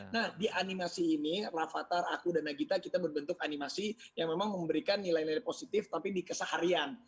nah di animasi ini rafatar aku dan nagita kita berbentuk animasi yang memang memberikan nilai nilai positif tapi di keseharian